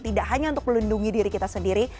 tidak hanya untuk melindungi diri kita sendiri